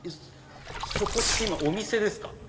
そこってお店ですか？